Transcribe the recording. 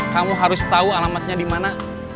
kamu harus tahu alamatnya di mana